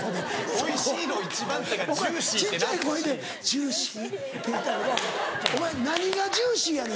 お前小っちゃい声で「ジューシー」って言ったけどお前何がジューシーやねん？